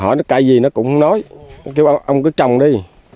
hỏi nó cây gì nó cũng nói kêu ông cứ trồng đi